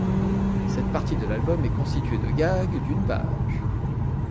Cette partie de l'album est constituée de gags d'une page.